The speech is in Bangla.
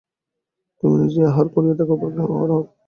তুমি নিজেই আহার করিয়া থাক, অপর কেহ তোমার হইয়া আহার করে না।